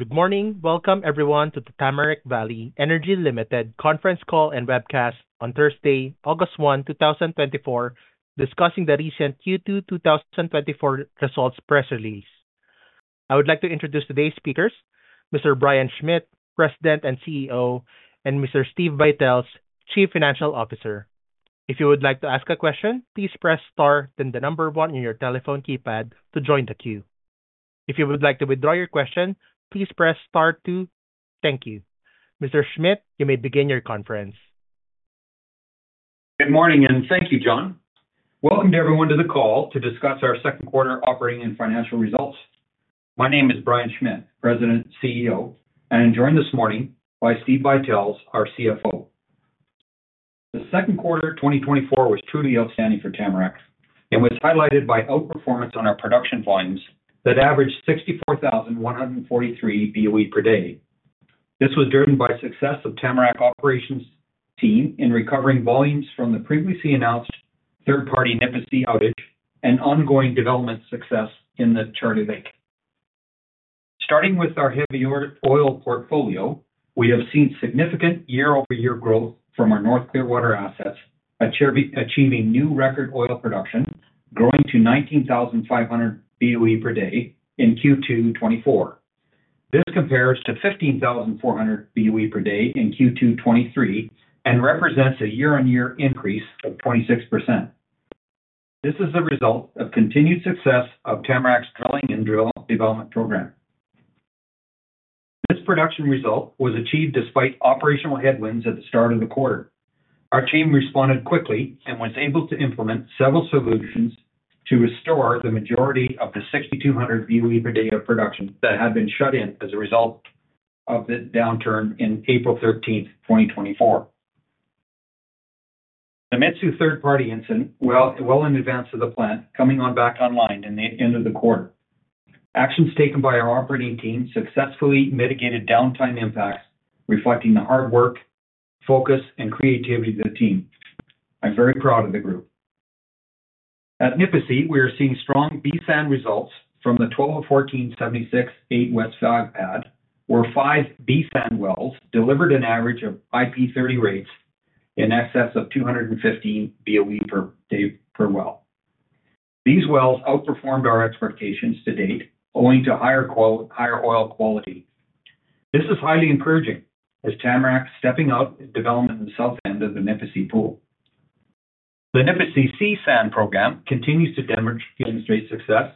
Good morning. Welcome, everyone, to the Tamarack Valley Energy Ltd. conference call and webcast on Thursday, August 1, 2024, discussing the recent Q2 2024 results press release. I would like to introduce today's speakers: Mr. Brian Schmidt, President and CEO, and Mr. Steve Buytels, Chief Financial Officer. If you would like to ask a question, please press star then the number one on your telephone keypad to join the queue. If you would like to withdraw your question, please press star two. Thank you. Mr. Schmidt, you may begin your conference. Good morning, and thank you, John. Welcome to everyone to the call to discuss our second quarter operating and financial results. My name is Brian Schmidt, President and CEO, and I'm joined this morning by Steve Buytels, our CFO. The second quarter 2024 was truly outstanding for Tamarack and was highlighted by outperformance on our production volumes that averaged 64,143 BOE per day. This was driven by the success of Tamarack Operations' team in recovering volumes from the previously announced third-party Nipisi outage and ongoing development success in the Charlie Lake. Starting with our heavy oil portfolio, we have seen significant year-over-year growth from our North Clearwater assets, achieving new record oil production, growing to 19,500 BOE per day in Q2 2024. This compares to 15,400 BOE per day in Q2 2023 and represents a year-on-year increase of 26%. This is the result of continued success of Tamarack's drilling and drill development program. This production result was achieved despite operational headwinds at the start of the quarter. Our team responded quickly and was able to implement several solutions to restore the majority of the 6,200 BOE per day of production that had been shut in as a result of the downtime in April 13, 2024. The Mitsue third-party incident, well in advance of the plant coming back online at the end of the quarter. Actions taken by our operating team successfully mitigated downtime impacts, reflecting the hard work, focus, and creativity of the team. I'm very proud of the group. At Nipisi, we are seeing strong C-Sand results from the 12-14-76-8 W5 pad, where five C-Sand wells delivered an average of IP30 rates in excess of 215 BOE per day per well. These wells outperformed our expectations to date, owing to higher oil quality. This is highly encouraging, as Tamarack is stepping out in development on the south end of the Nipisi pool. The Nipisi C-Sand program continues to demonstrate success,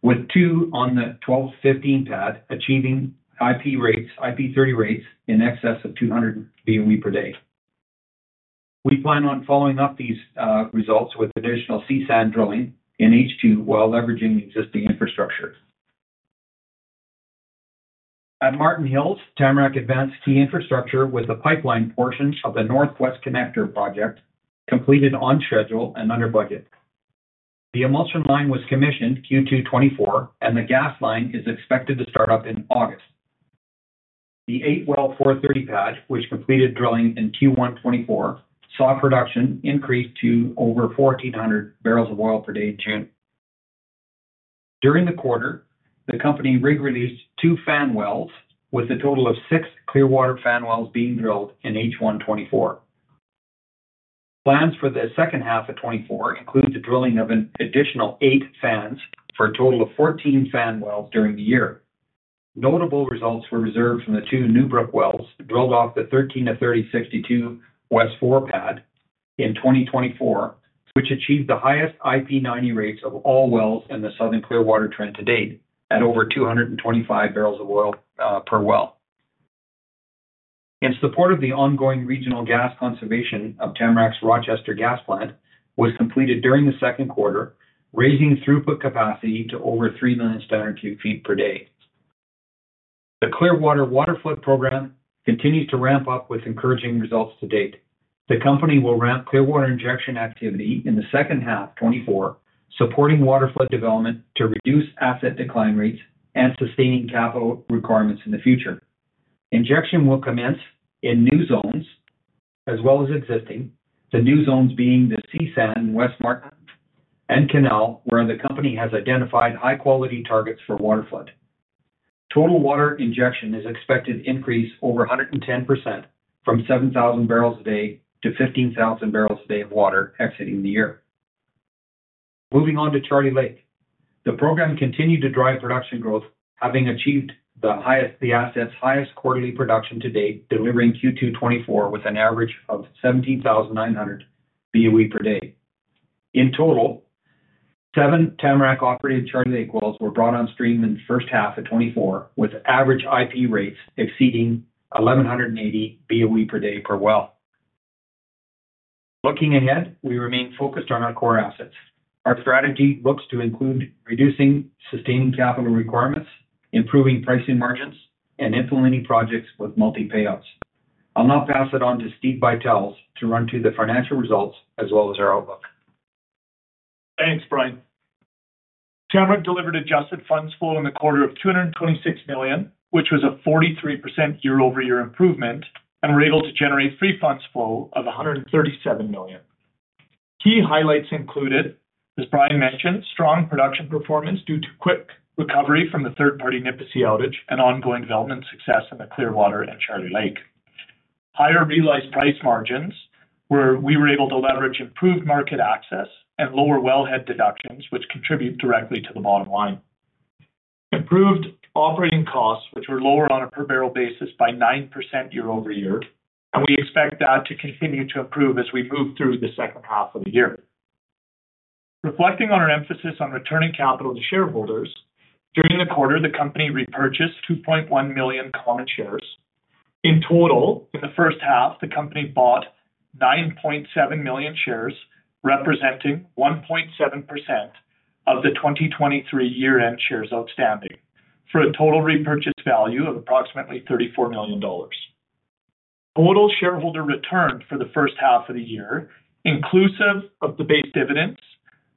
with two on the 1215 pad achieving IP30 rates in excess of 200 BOE per day. We plan on following up these results with additional C-Sand drilling in H2 while leveraging existing infrastructure. At Marten Hills, Tamarack advanced key infrastructure with the pipeline portion of the Northwest Connector project, completed on schedule and under budget. The emulsion line was commissioned Q2 2024, and the gas line is expected to start up in August. The 8-well 430 pad, which completed drilling in Q1 2024, saw production increase to over 1,400 barrels of oil per day in June. During the quarter, the company rig released 2 Fan wells, with a total of six Clearwater Fan wells being drilled in H1 2024. Plans for the second half of 2024 include the drilling of an additional eight fans for a total of 14 Fan wells during the year. Notable results were observed from the two Newbrook wells drilled off the 13-30-62-4 W4 pad in 2024, which achieved the highest IP90 rates of all wells in the Southern Clearwater trend to date at over 225 barrels of oil per well. In support of the ongoing regional gas conservation of Tamarack's Rochester gas plant, it was completed during the second quarter, raising throughput capacity to over three million standard cu ft per day. The Clearwater waterflood program continues to ramp up with encouraging results to date. The company will ramp Clearwater injection activity in the second half 2024, supporting water flood development to reduce asset decline rates and sustaining capital requirements in the future. Injection will commence in new zones, as well as existing, the new zones being the C-Sand, West Marten Hills, and Canal, where the company has identified high-quality targets for water flood. Total water injection is expected to increase over 110% from 7,000 barrels a day to 15,000 barrels a day of water exiting the year. Moving on to Charlie Lake, the program continued to drive production growth, having achieved the asset's highest quarterly production to date, delivering Q2 2024 with an average of 17,900 BOE per day. In total, 7 Tamarack operated Charlie Lake wells were brought on stream in the first half of 2024, with average IP rates exceeding 1,180 BOE per day per well. Looking ahead, we remain focused on our core assets. Our strategy looks to include reducing sustaining capital requirements, improving pricing margins, and implementing projects with multi-payouts. I'll now pass it on to Steve Buytels to run through the financial results as well as our outlook. Thanks, Brian. Tamarack delivered adjusted funds flow in the quarter of 226 million, which was a 43% year-over-year improvement, and were able to generate free funds flow of 137 million. Key highlights included, as Brian mentioned, strong production performance due to quick recovery from the third-party Nipisi outage and ongoing development success in the Clearwater and Charlie Lake. Higher realized price margins, where we were able to leverage improved market access and lower wellhead deductions, which contribute directly to the bottom line. Improved operating costs, which were lower on a per barrel basis by 9% year-over-year, and we expect that to continue to improve as we move through the second half of the year. Reflecting on our emphasis on returning capital to shareholders, during the quarter, the company repurchased 2.1 million common shares. In total, in the first half, the company bought 9.7 million shares, representing 1.7% of the 2023 year-end shares outstanding, for a total repurchase value of approximately 34 million dollars. Total shareholder return for the first half of the year, inclusive of the base dividends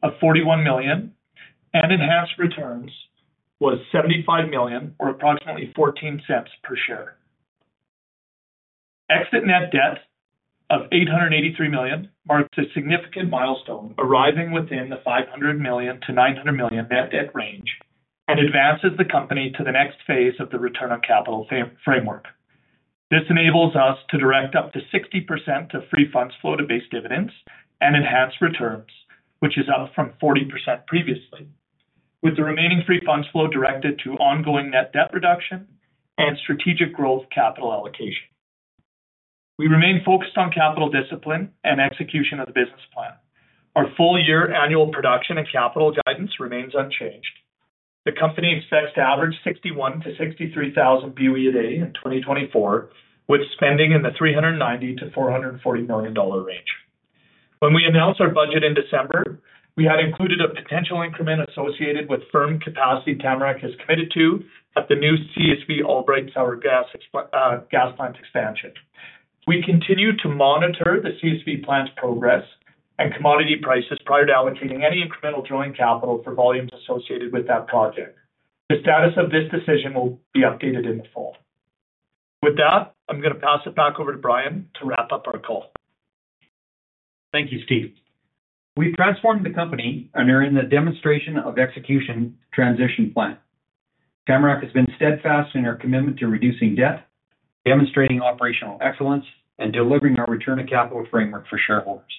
of 41 million, and enhanced returns was 75 million, or approximately 0.14 per share. Exit net debt of 883 million marks a significant milestone, arriving within the 500 million-900 million net debt range and advances the company to the next phase of the return on capital framework. This enables us to direct up to 60% of free funds flow to base dividends and enhanced returns, which is up from 40% previously, with the remaining free funds flow directed to ongoing net debt reduction and strategic growth capital allocation. We remain focused on capital discipline and execution of the business plan. Our full-year annual production and capital guidance remains unchanged. The company expects to average 61,000-63,000 BOE a day in 2024, with spending in the 390 million-440 million dollar range. When we announced our budget in December, we had included a potential increment associated with firm capacity Tamarack has committed to at the new CSV Albright Sour Gas plant expansion. We continue to monitor the CSV plant's progress and commodity prices prior to allocating any incremental drilling capital for volumes associated with that project. The status of this decision will be updated in the fall. With that, I'm going to pass it back over to Brian to wrap up our call. Thank you, Steve. We've transformed the company and are in the demonstration of execution transition plan. Tamarack has been steadfast in our commitment to reducing debt, demonstrating operational excellence, and delivering our return to capital framework for shareholders.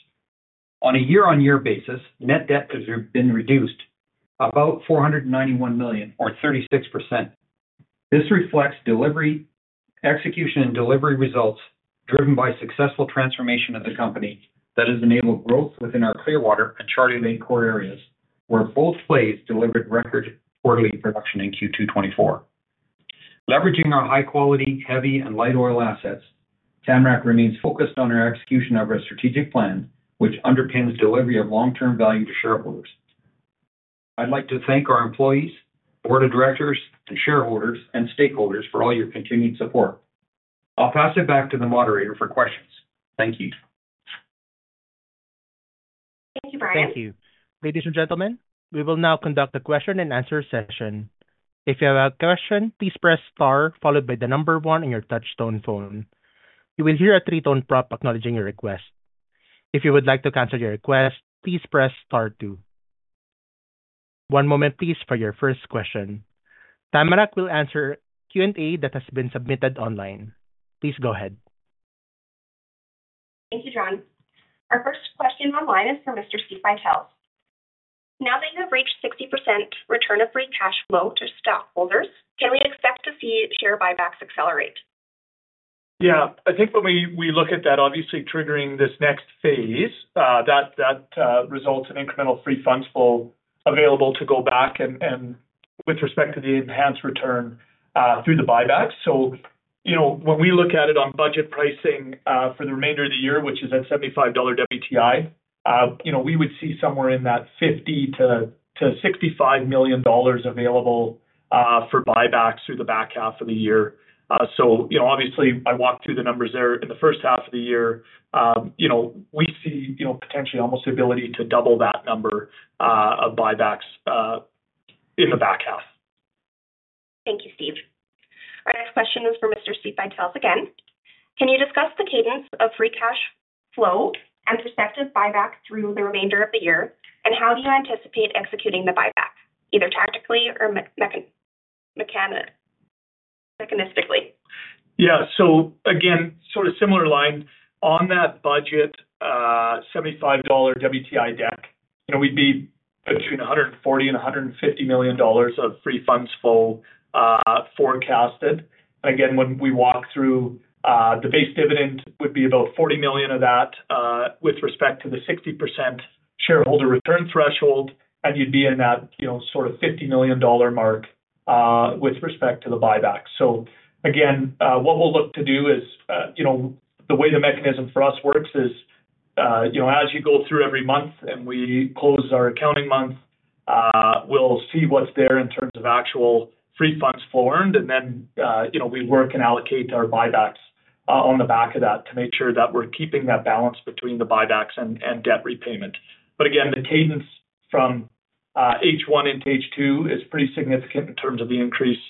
On a year-on-year basis, net debt has been reduced by 491 million, or 36%. This reflects delivery, execution, and delivery results driven by successful transformation of the company that has enabled growth within our Clearwater and Charlie Lake core areas, where both plays delivered record quarterly production in Q2 2024. Leveraging our high-quality, heavy, and light oil assets, Tamarack remains focused on our execution of our strategic plan, which underpins delivery of long-term value to shareholders. I'd like to thank our employees, board of directors, and shareholders and stakeholders for all your continued support. I'll pass it back to the moderator for questions. Thank you. Thank you, Brian. Thank you. Ladies and gentlemen, we will now conduct a question and answer session. If you have a question, please press star followed by the number one on your touch-tone phone. You will hear a three-tone prompt acknowledging your request. If you would like to cancel your request, please press star two. One moment, please, for your first question. Tamarack will answer Q&A that has been submitted online. Please go ahead. Thank you, John. Our first question online is for Mr. Steve Buytels. Now that you have reached 60% return of free cash flow to stockholders, can we expect to see share buybacks accelerate? Yeah, I think when we look at that, obviously triggering this next phase that results in incremental free funds flow available to go back and with respect to the enhanced return through the buybacks. So when we look at it on budget pricing for the remainder of the year, which is at $75 WTI, we would see somewhere in that $50 million-$65 million available for buybacks through the back half of the year. So obviously, I walked through the numbers there in the first half of the year. We see potentially almost the ability to double that number of buybacks in the back half. Thank you, Steve. Our next question is for Mr. Steve Buytels again. Can you discuss the cadence of free cash flow and prospective buyback through the remainder of the year, and how do you anticipate executing the buyback, either tactically or mechanistically? Yeah, so again, sort of similar line on that budget, $75 WTI debt, we'd be between $140-$150 million of free funds flow forecasted. Again, when we walk through the base dividend, it would be about $40 million of that with respect to the 60% shareholder return threshold, and you'd be in that sort of $50 million mark with respect to the buyback. So again, what we'll look to do is the way the mechanism for us works is as you go through every month and we close our accounting month, we'll see what's there in terms of actual free funds flow earned, and then we work and allocate our buybacks on the back of that to make sure that we're keeping that balance between the buybacks and debt repayment. But again, the cadence from H1 into H2 is pretty significant in terms of the increase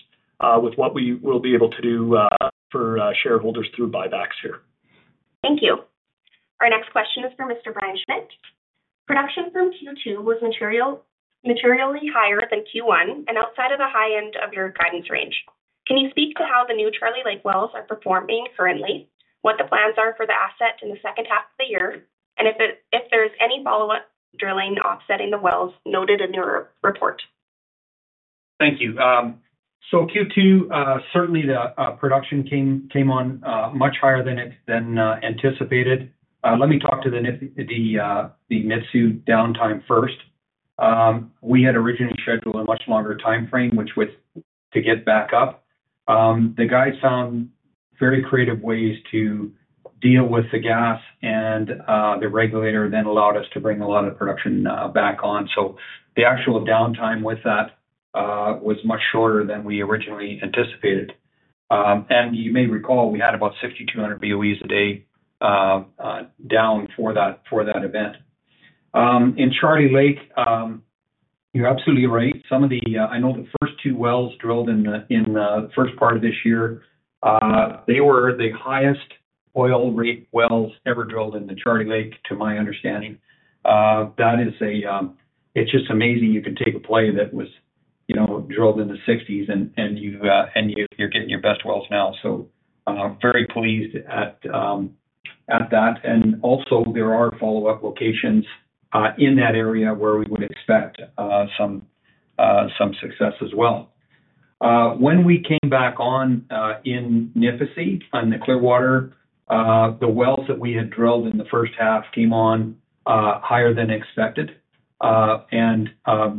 with what we will be able to do for shareholders through buybacks here. Thank you. Our next question is for Mr. Brian Schmidt. Production from Q2 was materially higher than Q1 and outside of the high end of your guidance range. Can you speak to how the new Charlie Lake wells are performing currently, what the plans are for the asset in the second half of the year, and if there is any follow-up drilling offsetting the wells noted in your report? Thank you. So Q2, certainly the production came on much higher than anticipated. Let me talk to the Mitsue downtime first. We had originally scheduled a much longer time frame, which was to get back up. The guys found very creative ways to deal with the gas, and the regulator then allowed us to bring a lot of the production back on. So the actual downtime with that was much shorter than we originally anticipated. And you may recall we had about 6,200 BOEs a day down for that event. In Charlie Lake, you're absolutely right. Some of the I know the first two wells drilled in the first part of this year, they were the highest oil rate wells ever drilled in the Charlie Lake, to my understanding. That is, it's just amazing you can take a play that was drilled in the '60s, and you're getting your best wells now. So very pleased at that. And also, there are follow-up locations in that area where we would expect some success as well. When we came back on in Nipisi on the Clearwater, the wells that we had drilled in the first half came on higher than expected. And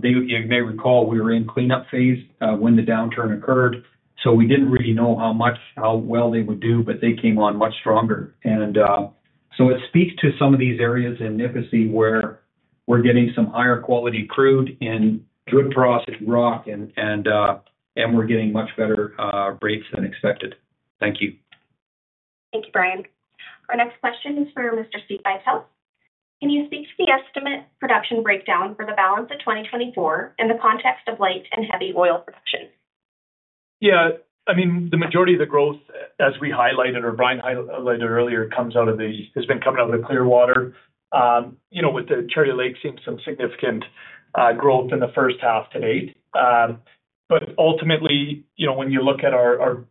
you may recall we were in cleanup phase when the downturn occurred, so we didn't really know how well they would do, but they came on much stronger. And so it speaks to some of these areas in Nipisi where we're getting some higher quality crude and good processed rock, and we're getting much better rates than expected. Thank you. Thank you, Brian. Our next question is for Mr. Steve Buytels. Can you speak to the estimate production breakdown for the balance of 2024 in the context of light and heavy oil production? Yeah. I mean, the majority of the growth, as we highlighted or Brian highlighted earlier, comes out of the has been coming out of the Clearwater. With the Charlie Lake, seeing some significant growth in the first half to date. But ultimately, when you look at our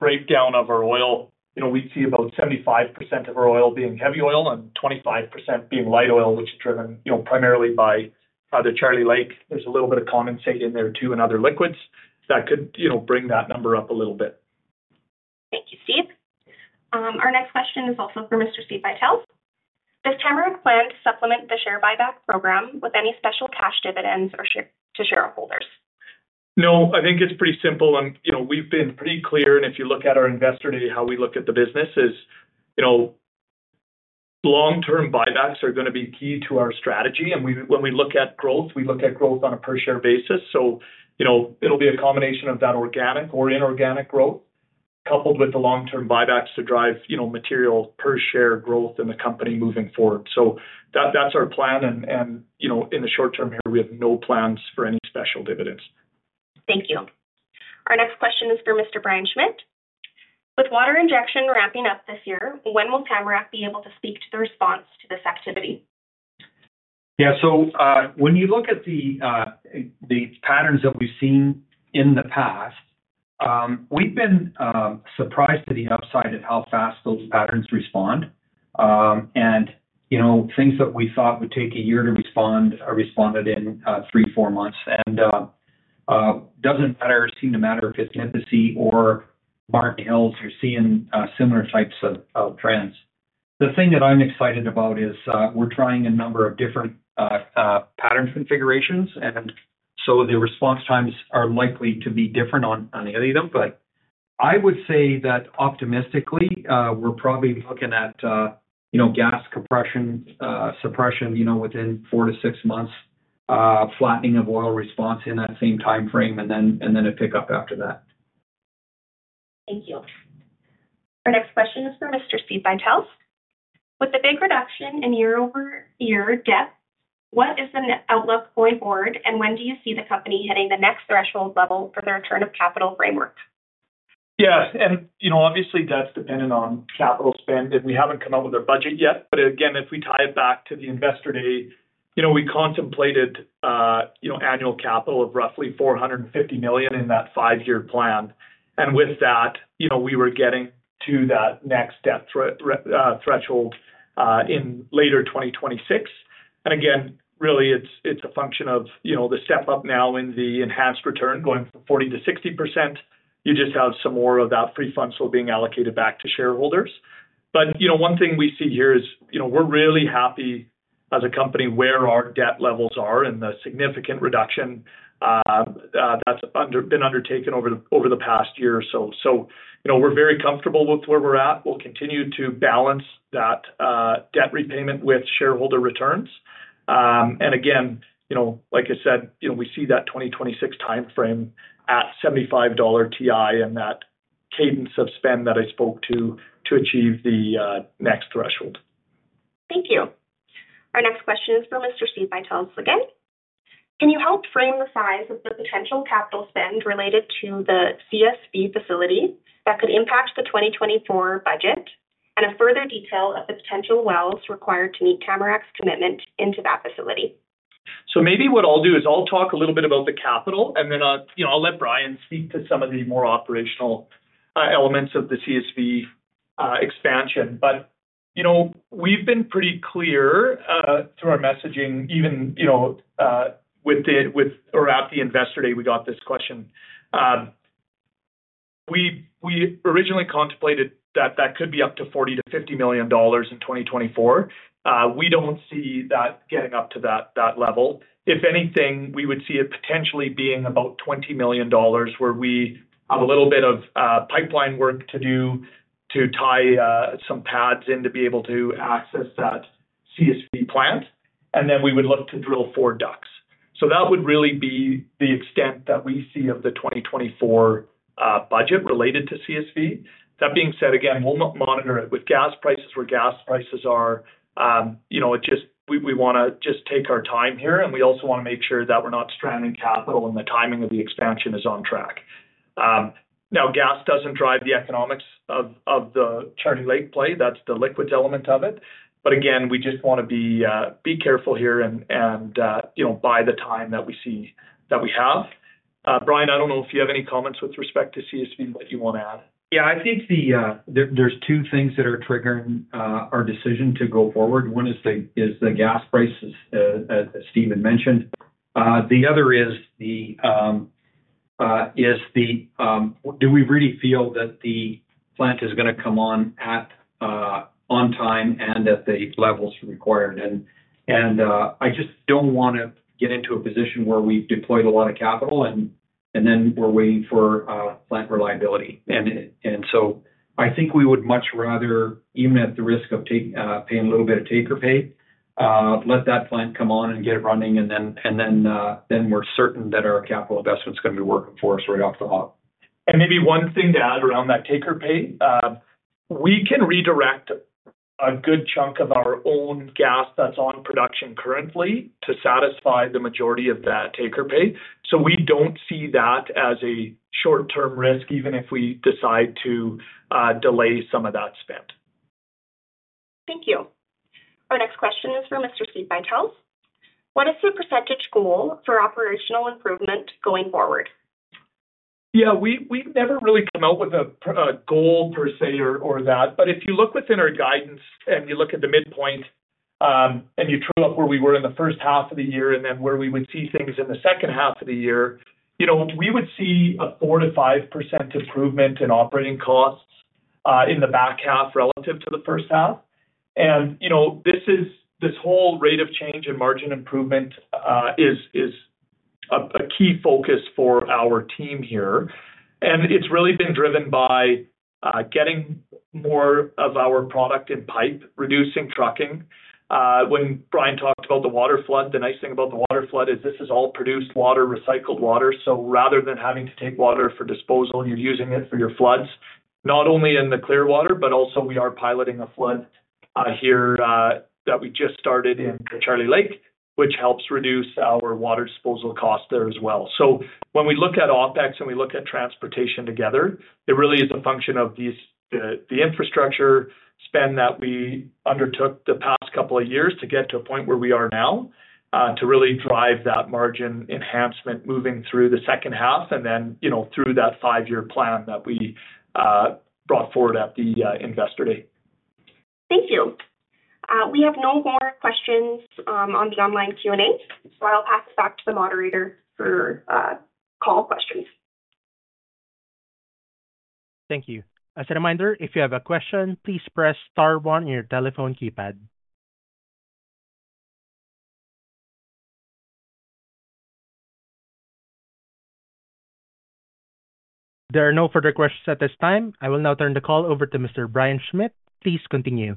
breakdown of our oil, we'd see about 75% of our oil being heavy oil and 25% being light oil, which is driven primarily by the Charlie Lake. There's a little bit of condensate in there too and other liquids that could bring that number up a little bit. Thank you, Steve. Our next question is also for Mr. Steve Buytels. Does Tamarack plan to supplement the share buyback program with any special cash dividends to shareholders? No, I think it's pretty simple. We've been pretty clear, and if you look at our investor data, how we look at the business is long-term buybacks are going to be key to our strategy. When we look at growth, we look at growth on a per-share basis. It'll be a combination of that organic or inorganic growth coupled with the long-term buybacks to drive material per-share growth in the company moving forward. That's our plan. In the short term here, we have no plans for any special dividends. Thank you. Our next question is for Mr. Brian Schmidt. With water injection wrapping up this year, when will Tamarack be able to speak to the response to this activity? Yeah. So when you look at the patterns that we've seen in the past, we've been surprised to the upside of how fast those patterns respond. And things that we thought would take a year to respond responded in 3-4 months. And it doesn't matter or seem to matter if it's Nipisi or Martin Hills, you're seeing similar types of trends. The thing that I'm excited about is we're trying a number of different pattern configurations, and so the response times are likely to be different on any of them. But I would say that optimistically, we're probably looking at gas compression suppression within 4-6 months, flattening of oil response in that same time frame, and then a pickup after that. Thank you. Our next question is for Mr. Steve Buytels. With the big reduction in year-over-year debt, what is the outlook going forward, and when do you see the company hitting the next threshold level for the return of capital framework? Yeah. And obviously, that's dependent on capital spend. And we haven't come up with a budget yet. But again, if we tie it back to the investor day, we contemplated annual capital of roughly 450 million in that five-year plan. And with that, we were getting to that next debt threshold in later 2026. And again, really, it's a function of the step up now in the enhanced return going from 40%-60%. You just have some more of that free funds flow being allocated back to shareholders. But one thing we see here is we're really happy as a company where our debt levels are and the significant reduction that's been undertaken over the past year or so. So we're very comfortable with where we're at. We'll continue to balance that debt repayment with shareholder returns. And again, like I said, we see that 2026 time frame at $75 WTI and that cadence of spend that I spoke to to achieve the next threshold. Thank you. Our next question is for Mr. Steve Buytels again. Can you help frame the size of the potential capital spend related to the CSV facility that could impact the 2024 budget and a further detail of the potential wells required to meet Tamarack's commitment into that facility? So maybe what I'll do is I'll talk a little bit about the capital, and then I'll let Brian speak to some of the more operational elements of the CSV expansion. But we've been pretty clear through our messaging, even with or at the investor day, we got this question. We originally contemplated that that could be up to $40 million-$50 million in 2024. We don't see that getting up to that level. If anything, we would see it potentially being about $20 million where we have a little bit of pipeline work to do to tie some pads in to be able to access that CSV plant. And then we would look to drill four DUCs. So that would really be the extent that we see of the 2024 budget related to CSV. That being said, again, we'll monitor it with gas prices, where gas prices are. We want to just take our time here, and we also want to make sure that we're not stranding capital and the timing of the expansion is on track. Now, gas doesn't drive the economics of the Charlie Lake play. That's the liquids element of it. But again, we just want to be careful here and buy the time that we see that we have. Brian, I don't know if you have any comments with respect to CSV that you want to add. Yeah, I think there's two things that are triggering our decision to go forward. One is the gas prices, as Steve mentioned. The other is, do we really feel that the plant is going to come on at on time and at the levels required? And I just don't want to get into a position where we've deployed a lot of capital and then we're waiting for plant reliability. And so I think we would much rather, even at the risk of paying a little bit of take-or-pay, let that plant come on and get it running, and then we're certain that our capital investment is going to be working for us right off the hop. Maybe one thing to add around that take-or-pay, we can redirect a good chunk of our own gas that's on production currently to satisfy the majority of that take-or-pay. We don't see that as a short-term risk, even if we decide to delay some of that spend. Thank you. Our next question is for Mr. Steve Buytels. What is the percentage goal for operational improvement going forward? Yeah, we've never really come out with a goal per se or that. But if you look within our guidance and you look at the midpoint and you true up where we were in the first half of the year and then where we would see things in the second half of the year, we would see a 4%-5% improvement in operating costs in the back half relative to the first half. And this whole rate of change and margin improvement is a key focus for our team here. And it's really been driven by getting more of our product in pipe, reducing trucking. When Brian talked about the water flood, the nice thing about the water flood is this is all produced water, recycled water. Rather than having to take water for disposal, you're using it for your floods, not only in the Clearwater, but also we are piloting a flood here that we just started in the Charlie Lake, which helps reduce our water disposal cost there as well. When we look at OPEX and we look at transportation together, it really is a function of the infrastructure spend that we undertook the past couple of years to get to a point where we are now to really drive that margin enhancement moving through the second half and then through that five-year plan that we brought forward at the investor day. Thank you. We have no more questions on the online Q&A, so I'll pass it back to the moderator for call questions. Thank you. As a reminder, if you have a question, please press star one on your telephone keypad. There are no further questions at this time. I will now turn the call over to Mr. Brian Schmidt. Please continue.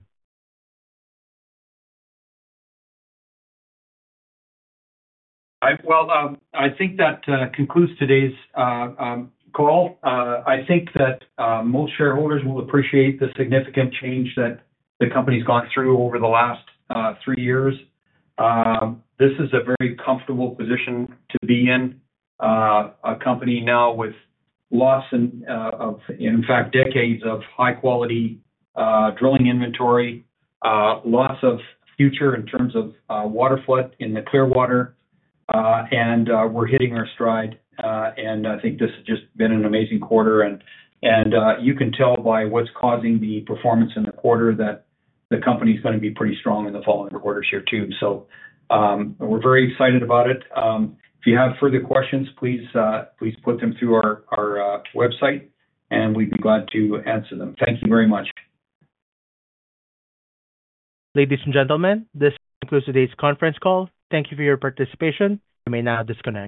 Well, I think that concludes today's call. I think that most shareholders will appreciate the significant change that the company's gone through over the last three years. This is a very comfortable position to be in, a company now with lots of, in fact, decades of high-quality drilling inventory, lots of future in terms of water flood in the Clearwater. And we're hitting our stride. And I think this has just been an amazing quarter. And you can tell by what's causing the performance in the quarter that the company's going to be pretty strong in the following quarters here too. So we're very excited about it. If you have further questions, please put them through our website, and we'd be glad to answer them. Thank you very much. Ladies and gentlemen, this concludes today's conference call. Thank you for your participation. You may now disconnect.